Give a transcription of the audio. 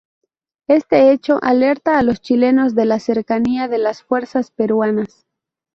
Este hecho alerta a los chilenos de la cercanía de las fuerzas peruanas.